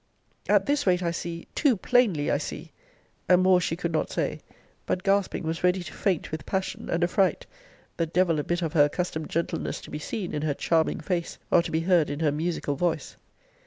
At this rate, I see too plainly I see And more she could not say: but, gasping, was ready to faint with passion and affright; the devil a bit of her accustomed gentleness to be seen in her charming face, or to be heard in her musical voice.